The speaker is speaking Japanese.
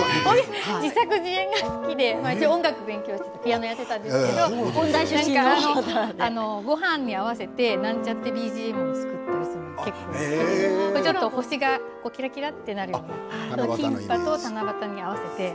自作自演が好きで一応、音楽を勉強してピアノをやっていたんですけどごはんに合わせてなんちゃってＢＧＭを作ったりするのが好きで星がキラキラとなるようなキンパと七夕に合わせて。